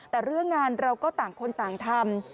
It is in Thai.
แต่เรื่องงานเราก็ต่างคนต่างทำ